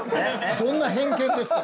◆どんな偏見ですか。